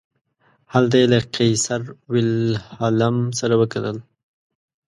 هلته یې له قیصر ویلهلم سره وکتل.